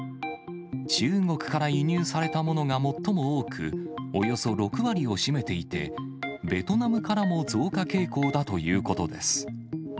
中国から輸入されたものが最も多く、およそ６割を占めていて、ベトナムからも増加傾向だということです。